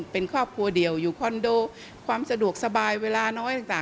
เป็นครอบครัวเดียวอยู่คอนโดความสะดวกสบายเวลาน้อยต่าง